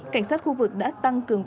cảnh sát khu vực đã tăng cường